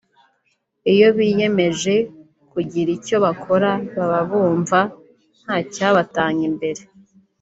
iyo biyemeje kugira icyo bakora baba bumva ntacyabatanga imbere